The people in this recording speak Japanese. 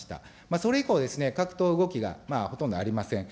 それ以降ですね、各党、動きがほとんどありません。